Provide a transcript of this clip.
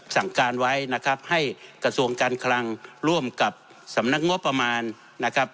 สั่งการไว้นะครับให้กระทรวงการคลังร่วมกับสำนักงบประมาณนะครับ